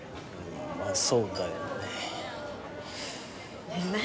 まぁそうだよね何？